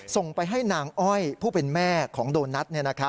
ส่งไปให้นางอ้อยผู้เป็นแม่ของโดนัท